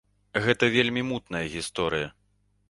Гэта вельмі мутная гісторыя!